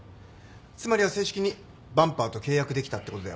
つまりは正式にバンパーと契約できたってことだよね。